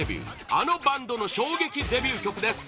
あのバンドの衝撃デビュー曲です